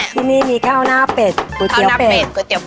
ที่นี่มีข้าวหน้าเป็ดก๋วยเตี๋ยวเป็ด